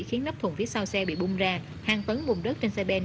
khiến nắp thùng phía sau xe bị bung ra hàng tấn bùm đất trên xe ben